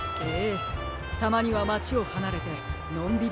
たまにはまちをはなれてのんびりするのもいいですね。